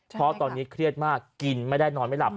เพราะตอนนี้เครียดมากกินไม่ได้นอนไม่หลับ